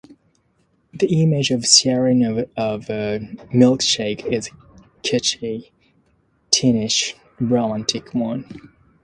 The image of sharing a milkshake is a kitschy, teenish, romantic one.